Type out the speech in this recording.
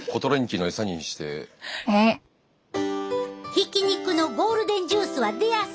ひき肉のゴールデンジュースは出やすい。